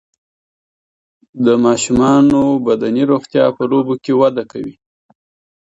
د ماشومانو بدني روغتیا په لوبو کې وده کوي.